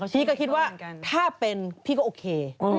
ชี้ก็คิดว่าถ้าเป็นพี่ก็โอเค